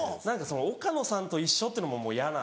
岡野さんと一緒っていうのも嫌な。